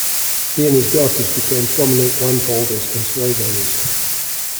He and his daughters became prominent land holders and slaveowners.